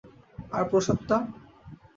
আর প্রসাদটা!